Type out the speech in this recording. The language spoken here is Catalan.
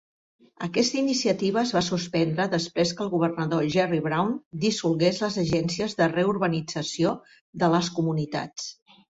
Aquesta iniciativa es va suspendre després que el governador Jerry Brown dissolgués les agències de reurbanització de les comunitats.